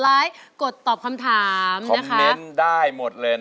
ด้านล่างเขาก็มีความรักให้กันนั่งหน้าตาชื่นบานมากเลยนะคะ